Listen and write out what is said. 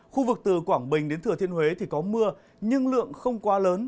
khu vực từ quảng bình đến thừa thiên huế thì có mưa nhưng lượng không quá lớn